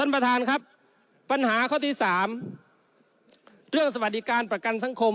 ปัญหาข้อที่๓เรื่องสวัสดิการประกันสังคม